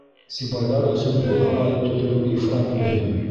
— Сибайҙар өсөн боҙ һарайы төҙөлөү ифрат мөһим.